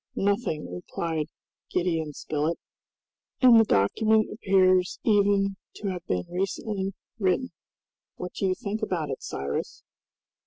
"Nothing," replied Gideon Spilett, "and the document appears even to have been recently written. What do you think about it, Cyrus?"